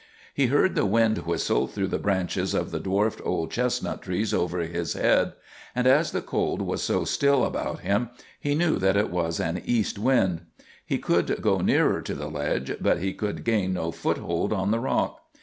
He heard the wind whistle through the branches of the dwarfed old chestnut trees over his head; and as the cold was so still about him, he knew that it was an east wind. He could go nearer to the ledge, but he could gain no foothold on the rock.